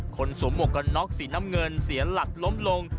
สวมหมวกกันน็อกสีน้ำเงินเสียหลักล้มลง